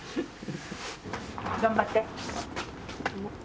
頑張って。